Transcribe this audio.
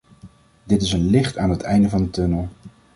Dit is een licht aan het einde van de tunnel.